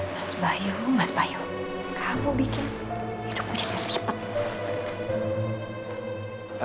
mas bayu mas bayu kamu bikin hidupku jadi cepat